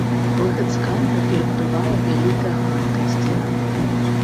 Выхад з камеры перакрывае вялікая гладкая сцяна.